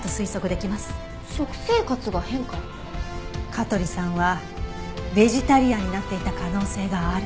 香取さんはベジタリアンになっていた可能性がある。